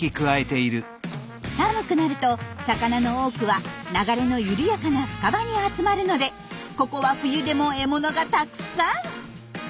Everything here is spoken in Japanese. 寒くなると魚の多くは流れの緩やかな深場に集まるのでここは冬でも獲物がたくさん！